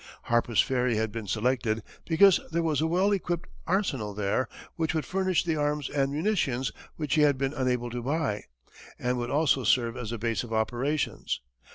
Harper's Ferry had been selected because there was a well equipped arsenal there which would furnish the arms and munitions which he had been unable to buy, and would also serve as a base of operations.